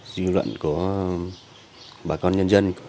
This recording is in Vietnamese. dư luận của bà con nhân dân